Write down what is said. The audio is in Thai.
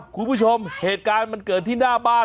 คุณผู้ชมเหตุการณ์มันเกิดที่หน้าบ้าน